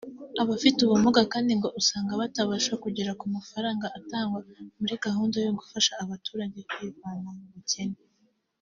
Abafite ubumuga kandi ngo usanga batabasha kugera ku mafaranga atangwa muri gahunda yo gufasha abaturage kwivana mu bukene